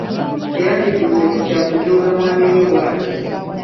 Teyandituuse ku kya kujooga mwami we bwatyo.